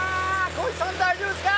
こひさん大丈夫ですか？